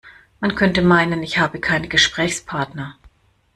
Man könnte meinen, ich habe keine Gesprächspartner.